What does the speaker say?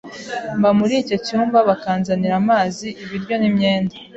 Mba muri icyo cyumba bakanzanira amazi, ibiryo nimyenda